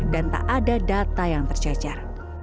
dan tak ada data yang terjejar